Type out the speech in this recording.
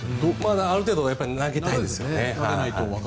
ある程度投げたいですよね。